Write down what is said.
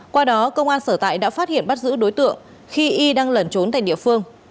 qua đó công an sở tại đã phát hiện bắt giữ đối tượng khi y đang lẩn trốn tại địa phương